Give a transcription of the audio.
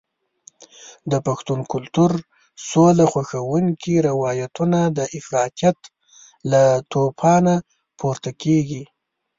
د پښتون کلتور سوله خوښونکي روایتونه د افراطیت له توپانه پورته کېږي.